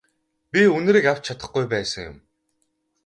Би үнэрийг авч чадахгүй байсан юм.